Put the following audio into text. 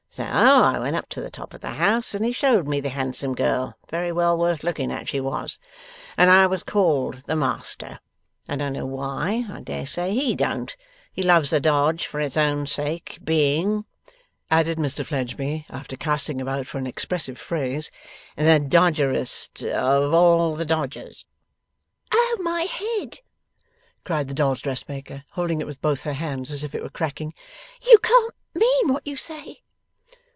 So I went up to the top of the house and he showed me the handsome girl (very well worth looking at she was), and I was called the master. I don't know why. I dare say he don't. He loves a dodge for its own sake; being,' added Mr Fledgeby, after casting about for an expressive phrase, 'the dodgerest of all the dodgers.' 'Oh my head!' cried the dolls' dressmaker, holding it with both her hands, as if it were cracking. 'You can't mean what you say.